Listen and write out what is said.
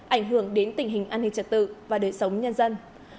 ảnh hưởng đến tình hình an ninh trật tự và đời sống nhân dân